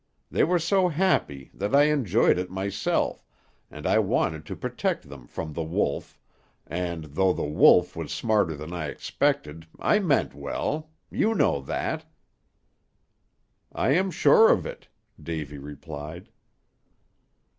They were so happy that I enjoyed it myself, and I wanted to protect them from The Wolf, and though The Wolf was smarter than I expected, I meant well; you know that." "I am sure of it," Davy replied.